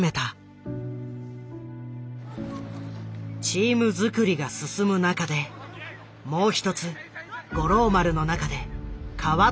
チームづくりが進む中でもう一つ五郎丸の中で変わったことがある。